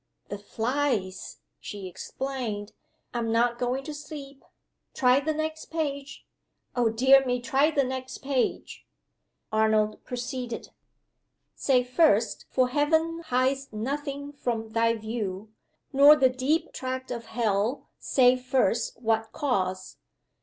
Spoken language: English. "The flies," she explained. "I'm not going to sleep. Try the next page. Oh, dear me, try the next page!" Arnold proceeded: "Say first for heaven hides nothing from thy view. Nor the deep tract of hell say first what cause.